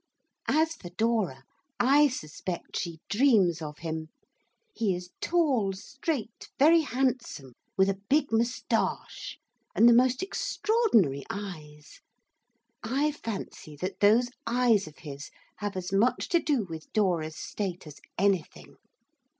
As for Dora, I suspect she dreams of him. He is tall, straight, very handsome, with a big moustache, and the most extraordinary eyes; I fancy that those eyes of his have as much to do with Dora's state as anything.